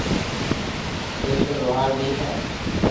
ڪرسٽن لوھار بي ھي